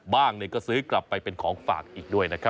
ก็ซื้อกลับไปเป็นของฝากอีกด้วยนะครับ